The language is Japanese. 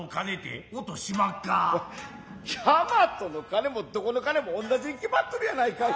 大和の金もどこの金もおんなじに決まっとるやないかい。